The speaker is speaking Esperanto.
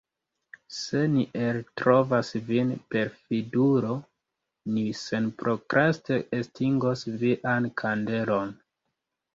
Se ni eltrovas vin perfidulo, ni senprokraste estingos vian kandelon.